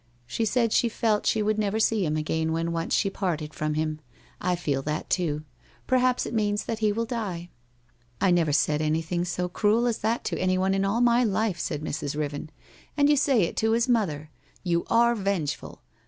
She said she felt she would never see him again when once she parted from him. I feel that, too. Perhaps it means that he will die !'* I never said anything so cruel as that to anyone in all my life,' said Mrs. Riven. * And you say it to his mother! You are revengeful!